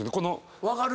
分かる。